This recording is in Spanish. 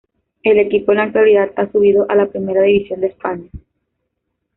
El equipo en la actualidad ha subido a la Primera División de España.